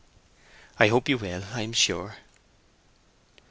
"I hope you will, I am sure."